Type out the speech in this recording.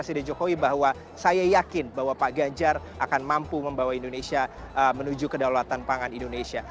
presiden jokowi bahwa saya yakin bahwa pak ganjar akan mampu membawa indonesia menuju kedaulatan pangan indonesia